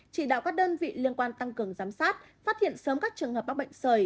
chỉ đạo các đơn vị liên quan tăng cường giám sát phát hiện sớm các trường hợp bác bệnh sởi